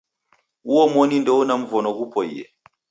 Uomoni ndeuna mvono ghupoie